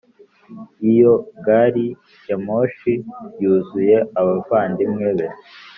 iyo gari ya moshi yuzuye abavandimwe be